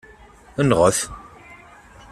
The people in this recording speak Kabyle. Nɣet!